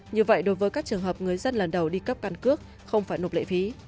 như vậy đối với các trường hợp người dân lần đầu đi cấp căn cước không phải nộp lệ phí